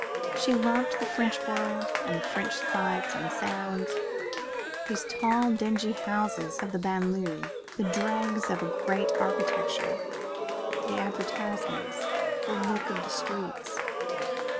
She loved the French world and the French sights and sounds these tall, dingy houses of the banlieue, the dregs of a great architecture; the advertisements; the look of the streets.